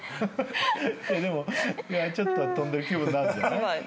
でもちょっとは飛んでる気分になるんじゃない？